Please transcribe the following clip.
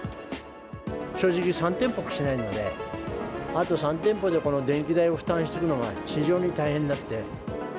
正直、３店舗しかないので、あと３店舗でこの電気代を負担していくのは、非常に大変なので。